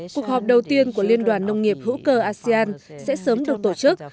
cuộc họp đầu tiên của liên đoàn nông nghiệp hữu cơ asean sẽ sớm được tổ chức